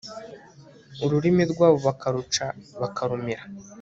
ururimi rwabo bakaruca bakarumira